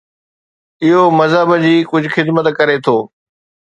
اهو مذهب جي ڪجهه خدمت ڪري ٿو.